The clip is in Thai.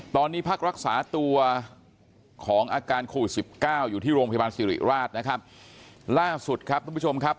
ตอนนี้พักรักษาตัวของอาการโควิดสิบเก้าอยู่ที่โรงพยาบาลสิริราชนะครับล่าสุดครับทุกผู้ชมครับ